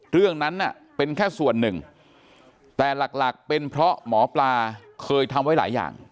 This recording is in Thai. เรื่องนั้นเป็นแค่ส่วนหนึ่งแต่หลักเป็นเพราะหมอปลาเคยทำไว้หลายอย่าง